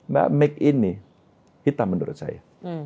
mbak mik ini kita menurut saya